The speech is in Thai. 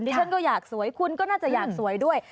ฉันก็อยากสวยคุณก็น่าจะอยากสวยด้วย